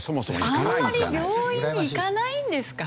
あんまり病院に行かないんですかね。